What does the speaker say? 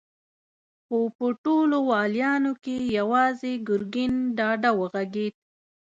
خو په ټولو واليانو کې يواځې ګرګين ډاډه وغږېد.